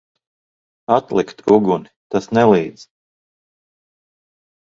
Atlikt uguni! Tas nelīdz.